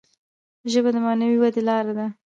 ژبه د معنوي ودي لاره ده.